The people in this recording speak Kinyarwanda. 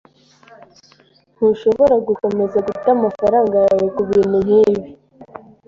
Ntushobora gukomeza guta amafaranga yawe kubintu nkibi.